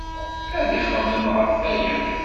Ad ixemmem ɣef waya.